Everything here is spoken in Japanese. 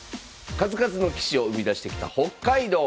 数々の棋士を生み出してきた北海道。